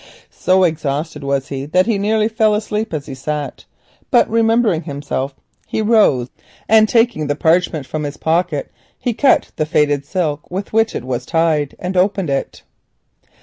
So exhausted was he that he nearly fell asleep as he sat, but remembering himself rose, and taking the parchment from his pocket cut the faded silk with which it was tied and opened it.